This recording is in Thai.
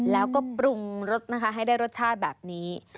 แล้วก็ปรุงรสนะคะให้ได้รสชาติแบบนี้